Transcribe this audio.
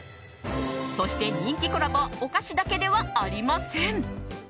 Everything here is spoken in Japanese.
そして、人気コラボはお菓子だけではありません。